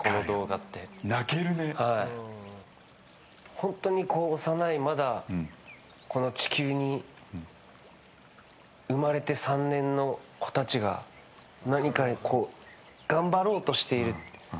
本当に幼い、まだ地球に生まれて３年の子たちが何か頑張ろうとしている。